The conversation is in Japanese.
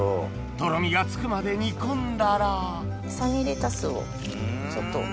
とろみがつくまで煮込んだらサニーレタスをちょっと。